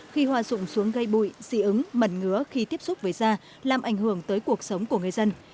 khi hoa rụng xuống gây bụi dị ứng mẩn ngứa khi tiếp xúc với da làm ảnh hưởng tới cuộc sống của người dân